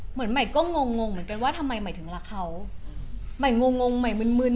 เหมือนใหม่ก็งงงงเหมือนกันว่าทำไมใหม่ถึงรักเขาใหม่งงงใหม่มึนมึน